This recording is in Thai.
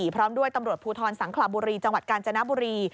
พร้อมด้วยตำรวจภูทรสังขลาบุรีจังหวัดกาญจนบุรี